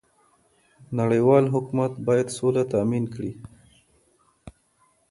نړيوال حکومت بايد سوله تامين کړي.